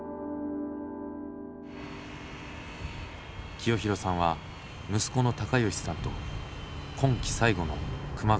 清弘さんは息子の貴吉さんと今季最後の熊狩りに臨んだ。